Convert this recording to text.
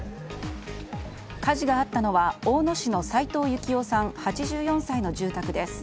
火事があったのは、大野市の齊藤幸男さん、８４歳の住宅です。